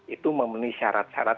itu memenuhi syarat syarat